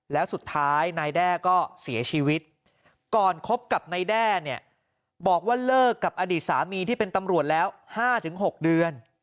แล้วสุดท้ายนายแด้ก็เสียชีวิตก่อนคบกับนายแด้เนี่ยบอกว่าเลิกกับอดีตสามีที่เป็นตำรวจแล้ว๕๖เดือน